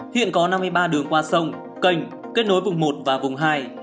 hiện có năm mươi ba đường qua sông cành kết nối vùng một và vùng hai ba